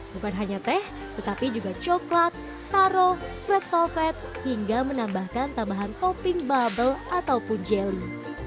bukan hanya teh tetapi juga coklat taro break velvet hingga menambahkan tambahan topping bubble ataupun jelly